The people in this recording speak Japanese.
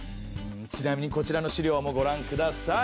ちなみにこちらの資料もごらんください。